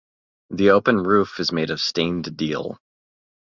The open roof is made of stained deal.